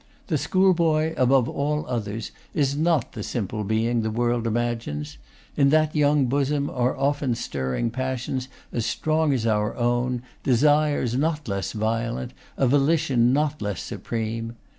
The school boy, above all others, is not the simple being the world imagines. In that young bosom are often stirring passions as strong as our own, desires not less violent, a volition not less supreme.